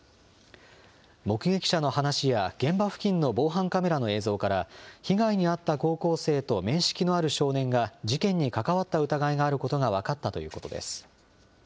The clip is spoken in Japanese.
目撃者の話や、現場付近の防犯カメラの映像から、被害に遭った高校生と面識のある少年が事件に関わった疑いがあることが分かったということです。